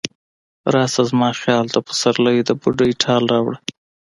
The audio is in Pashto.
راشه زما خیال ته، پسرلی د بوډۍ ټال راوړه